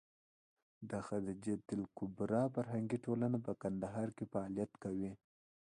د خدېجه الکبرا فرهنګي ټولنه په کندهار کې فعالیت کوي.